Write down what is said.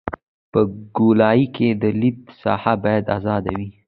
په ګولایي کې د لید ساحه باید ازاده وي